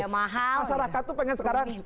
masyarakat itu pengen sekarang